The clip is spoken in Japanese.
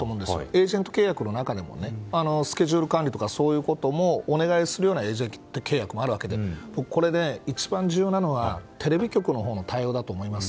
エージェント契約の中にもスケジュール管理とかそういうこともお願いするエージェント契約もあるわけで一番重要なのはテレビ局の対応だと思います。